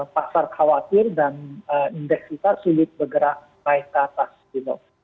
pasar khawatir dan indeks kita sulit bergerak naik ke atas gitu